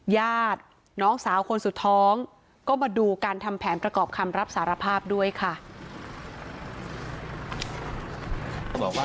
ญาติน้องสาวคนสุดท้องก็มาดูการทำแผนประกอบคำรับสารภาพด้วยค่ะ